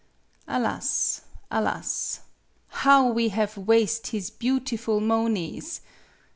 "Alas alas! How we have waste his beau tiful moaneys!